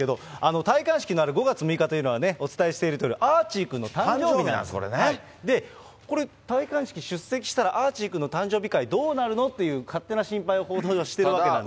戴冠式のある５月６日というのは、お伝えしているとおり、アーチーくんの誕生日なんですね、で、これ、戴冠式出席したら、アーチーくんの誕生日会、どうなるの？という勝手な心配を報道ではしてるんですけども。